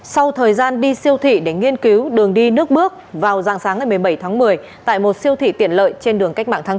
sau thời gian đi siêu thị để nghiên cứu đường đi nước bước vào dạng sáng ngày một mươi bảy tháng một mươi tại một siêu thị tiện lợi trên đường cách mạng tháng tám